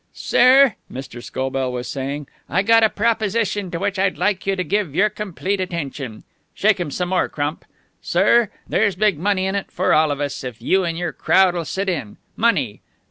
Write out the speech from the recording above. "Sir," Mr. Scobell was saying, "I gotta proposition to which I'd like you to give your complete attention. Shake him some more, Crump. Sir, there's big money in it for all of us, if you and your crowd'll sit in. Money.